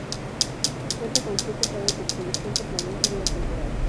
Cuenta con siete salas de exhibición permanente y una temporal.